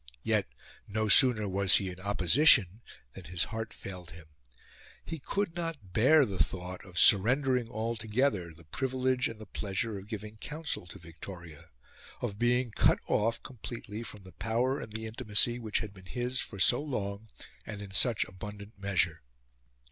Yet, no sooner was he in opposition than his heart failed him. He could not bear the thought of surrendering altogether the privilege and the pleasure of giving counsel to Victoria of being cut off completely from the power and the intimacy which had been his for so long and in such abundant measure.